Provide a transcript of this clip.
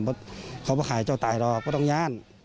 เพราะเขาขายเจ้าตายหรอกก็ต้องย่าน